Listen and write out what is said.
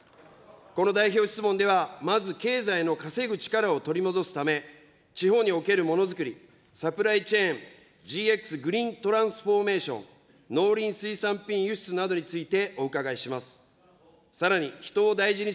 この代表質問では、まず経済の稼ぐ力を取り戻すため、地方におけるものづくり、サプライチェーン、ＧＸ・グリーントランスフォーメーション、農林水産品輸出などについてお伺いします。